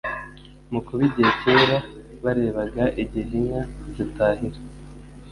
Mu kuba igihe cyera barebaga igihe inka zitahira